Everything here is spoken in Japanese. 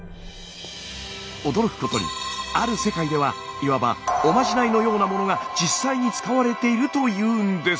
驚くことにある世界ではいわばおまじないのようなものが実際に使われているというんです。